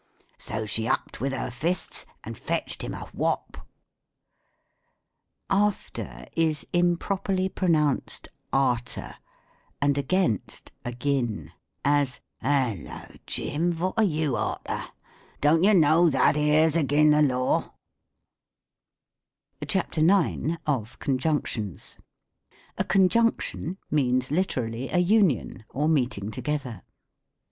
" So she upped with her fists, and fetched him a whop." After is improperly pronounced arter, and against, 5 06 THE COMIC ENGLISH GRAMMAH . agin: as, " Hallo ! .Tim. vot are you arter) uon t )»ui* know that ere's agin the Law 'V^ CHAPTER IX. OF CONJUNCTIONS A Conjunction means literally, a union or meeting together.